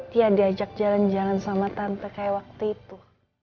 dia diajak jalan jalan sama tante kayak waktu itu